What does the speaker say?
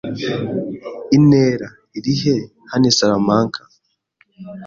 Intera irihe hano i Salamanca?